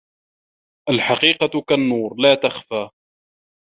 الحقيقة كالنور لا تخفى.